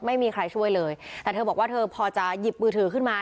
ไม่มีใครช่วยเลยแต่เธอบอกว่าเธอพอจะหยิบมือถือขึ้นมา